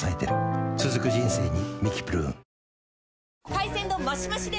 海鮮丼マシマシで！